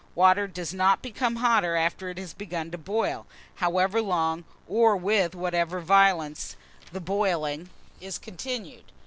Water does not become hotter after it has begun to boil, however long or with whatever violence the boiling is continued.